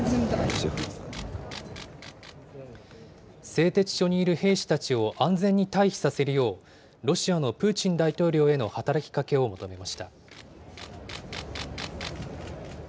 製鉄所にいる兵士たちを、安全に退避させるよう、ロシアのプーチン大統領への働きかけを求めました。